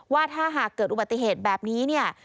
ว่าถ้าหากเกิดอุบัติเหตุแบบนี้เนี่ย